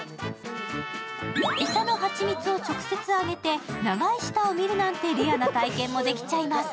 餌の蜂蜜を直接あげて長い舌を見るなんてレアな体験もできちゃいます。